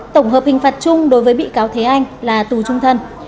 tổng hợp hình phạt chung đối với bị cáo thế anh là tù trung thân